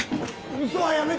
嘘はやめて